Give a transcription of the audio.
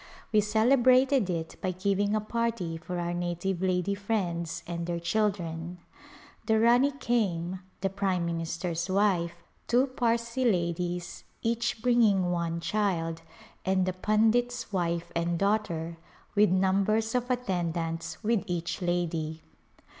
We celebrated it by giving a party for our native lady friends and their children. The Rani came, the prime minister's wife, two Parsee ladies each bringing one child, and the A Glimpse of India pundit's wife and daughter, with numbers of attend ants with each lady.